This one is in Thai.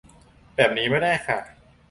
แบบนี้ไม่ได้ค่ะ